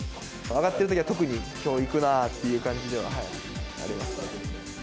上がってるときは特にきょう、いくなぁという感じではあります